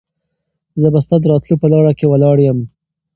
زه به ستا د راتلو په لاره کې ولاړ یم.